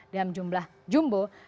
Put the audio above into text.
dalam jumlah jumbo